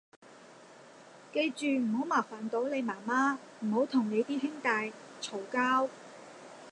記住唔好麻煩到你媽媽，唔好同你啲兄弟嘈交